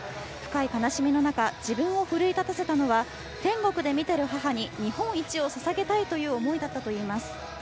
深い悲しみの中自分を奮い立たせたのは天国で見ている母に日本一を捧げたいという思いだったといいます。